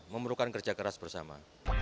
membutuhkan kerja keras bersama